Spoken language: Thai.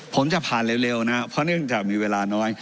ผมจะผ่านเร็วนะเพราะเนื่องจากมีเวลาน้อย